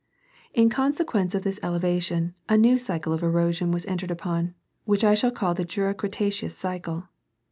— In consequence of this ele vation, a new cycle of erosion was entered upon, which I shall call the Jura Cretaceous cycle.